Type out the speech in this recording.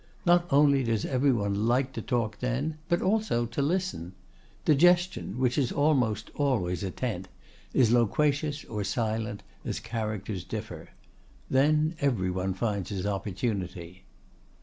Not only does every one like to talk then, but also to listen. Digestion, which is almost always attent, is loquacious or silent, as characters differ. Then every one finds his opportunity.